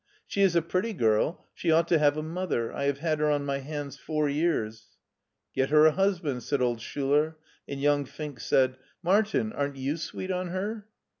" She is a pretty girl ; she ought to have a mother. I have had her on my hands four years." " Get her a husband," said old Schuler, and young Fink said : Martin, aren't you sweet on her?"